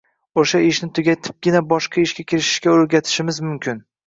o‘sha ishni tugatibgina boshqa ishga kirishishga o‘rgatishimiz mumkin.